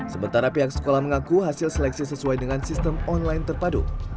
sementara pihak sekolah mengaku hasil seleksi sesuai dengan sistem online terpadu